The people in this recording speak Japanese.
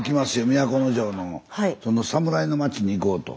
都城のそのサムライの町に行こうと。